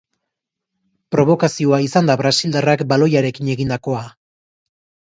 Probokazioa izan da brasildarrak baloiarekin egindakoa.